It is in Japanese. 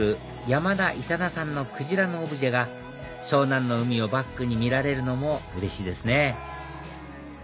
山田勇魚さんのクジラのオブジェが湘南の海をバックに見られるのもうれしいですね